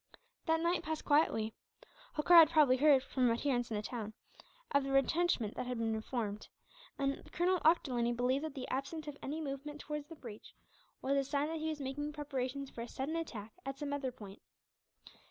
That night passed quietly. Holkar had probably heard, from adherents in the town, of the retrenchment that had been formed; and Colonel Ochterlony believed that the absence of any movement towards the breach was a sign that he was making preparations for a sudden attack at some other point.